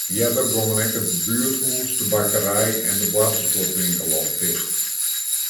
Earder gongen ek it buerthûs, de bakkerij en de boartersguodwinkel al ticht.